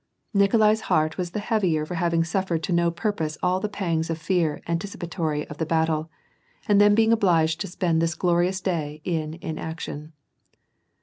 Nikolai's heart was the heavier for hav ing suffered to no purpose all the pangs of fear anticipatory of the battle, and then being obliged to spend this glorious day in inaction.